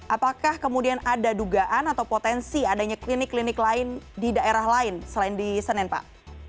apakah kemudian ada dugaan atau potensi adanya klinik klinik lain di daerah lain selain di senen pak